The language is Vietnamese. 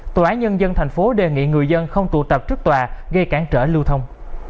tòa án nhân dân tp hcm đề nghị người dân không tụ tập trước tòa gây cản trở lưu thông